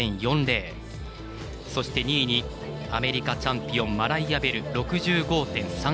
そして、２位にアメリカチャンピオンマライア・ベル６５．３８。